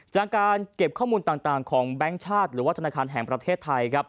จากการเก็บข้อมูลต่างของแบงค์ชาติหรือว่าธนาคารแห่งประเทศไทยครับ